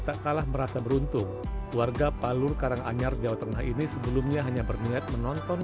tak kalah merasa beruntung warga palur karanganyar jawa tengah ini sebelumnya hanya berniat menonton